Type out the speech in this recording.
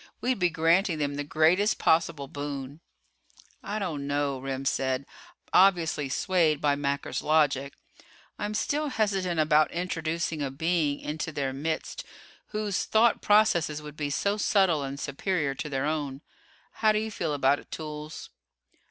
We'd be granting them the greatest possible boon!" "I don't know," Remm said, obviously swayed by Macker's logic. "I'm still hesitant about introducing a being into their midst whose thought processes would be so subtle and superior to their own. How do you feel about it, Toolls?"